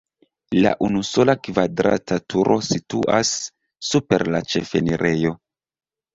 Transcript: La unusola kvadrata turo situas super la ĉefenirejo.